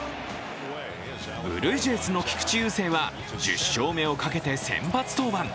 ブルージェイズの菊池雄星は１０勝目をかけて先発登板。